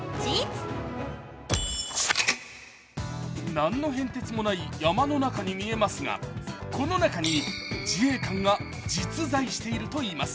何の変哲もない山の中に見えますが、この中に自衛官が実在しているといいます。